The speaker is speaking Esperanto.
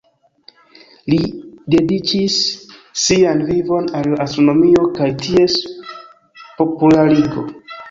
Li dediĉis sian vivon al la astronomio kaj ties popularigo.